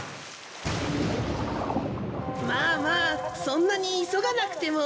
まあまあそんなに急がなくても。